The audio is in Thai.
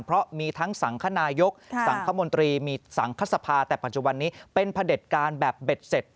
เพราะมีทั้งสังคนายกสังคมนตรีมีสังคสภาแต่ปัจจุบันนี้เป็นพระเด็จการแบบเบ็ดเสร็จ